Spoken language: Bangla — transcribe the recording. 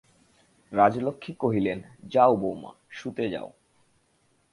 রাজলক্ষ্মী কহিলেন, যাও বউমা, শুতে যাও।